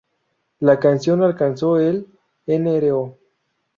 La canción alcanzó el Nro.